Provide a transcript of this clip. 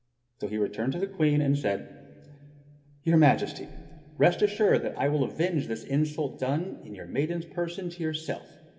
So he returned to the Queen and said : "Your Majesty, rest assured that I will avenge this insult done in your maiden's person to yourself.